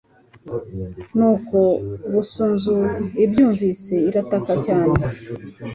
nuko busunzu ibyumvise irataka cyane